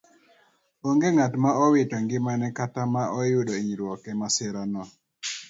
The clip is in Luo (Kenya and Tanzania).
Onge ng'at ma owito ngimane kata ma oyudo inyruok e masirano.